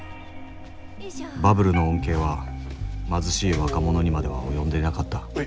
バブルの恩恵は貧しい若者にまでは及んでいなかった